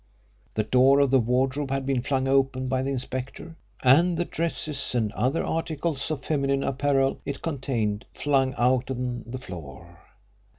The door of the wardrobe had been flung open by the inspector, and the dresses and other articles of feminine apparel it contained flung out on the floor.